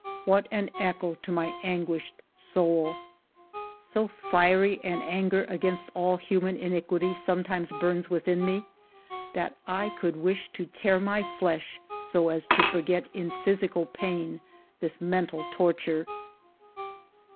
What an echo to my anguished soul 1 So fiery an anger against all human iniquity sometimes burns within me that I could wish to tear my flesh so as to forget in physical pain this mental torture.